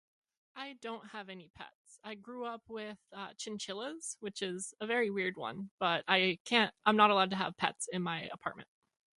I don't have any pets. I grew up with uh chinchillas which is a very weird one but I can't- I'm not allowed to have pets in my apartment.